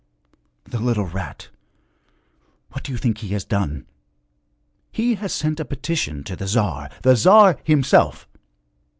'The little rat! What do you think he has done? He has sent a petition to the Tsar, the Tsar himself!